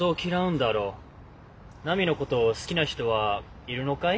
奈美のこと好きな人はいるのかい？